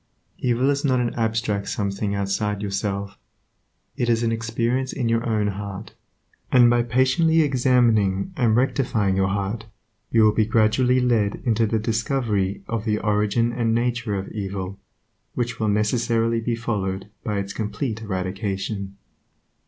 Evil is not an abstract some thing outside yourself; it is an experience in your own heart, and by patiently examining and rectifying your heart you will be gradually led into the discovery of the origin and nature of evil, which will necessarily be followed by its complete eradication.